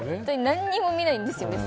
何にも見ないんですよね、私。